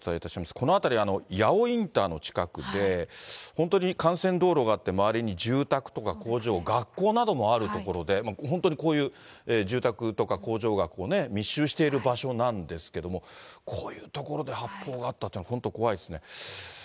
この辺り、八尾インターの近くで、本当に幹線道路があって、周りに住宅とか、工場、学校などもある所で、本当にこういう住宅とか、工場がね、密集している場所なんですけども、こういう所で発砲があったっていうのは、本当、怖いですね。